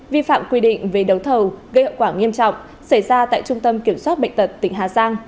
vi phạm quy định về đấu thầu gây hậu quả nghiêm trọng xảy ra tại trung tâm kiểm soát bệnh tật tỉnh hà giang